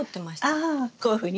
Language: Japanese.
ああこういうふうに？